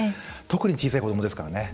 特に小さい子どもですからね。